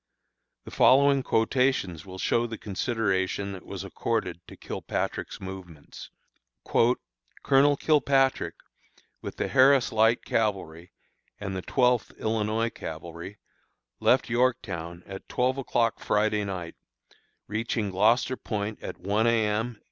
The following quotations will show the consideration that was accorded to Kilpatrick's movements: "Colonel Kilpatrick, with the Harris Light Cavalry and the Twelfth Illinois Cavalry, left Yorktown at twelve o'clock Friday night, reaching Gloucester Point at one A. M.